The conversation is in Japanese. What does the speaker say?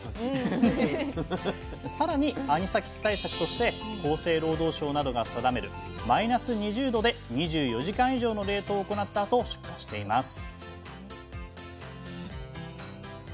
さらにアニサキス対策として厚生労働省などが定める「マイナス２０℃で２４時間以上」の冷凍を行ったあと出荷しています